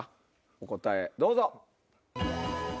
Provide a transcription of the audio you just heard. お答えどうぞ。